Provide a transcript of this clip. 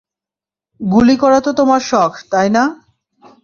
গুলি করা তো তোমার শখ, তাই না?